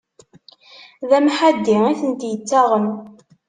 D amḥaddi itent-ittaɣen!